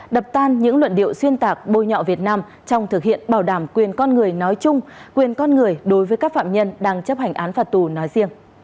đập tan những luận điệu xuyên tạc bôi nhọ việt nam trong thực hiện bảo đảm quyền con người nói chung quyền con người đối với các phạm nhân đang chấp hành án phạt tù nói riêng